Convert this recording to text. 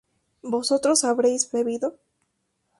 ¿vosotros habréis bebido?